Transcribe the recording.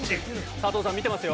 佐藤さん見てますよ。